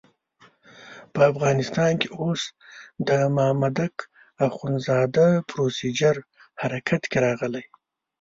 په افغانستان کې اوس د مامدک اخندزاده پروسیجر حرکت کې راغلی.